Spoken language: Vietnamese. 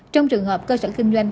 trong trường hợp cơ sở kinh doanh